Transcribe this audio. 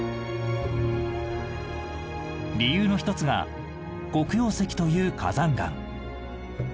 理由の一つが黒曜石という火山岩。